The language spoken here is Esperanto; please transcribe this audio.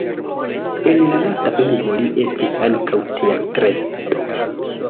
En la lasta urbo li estis ankaŭ teatrestro.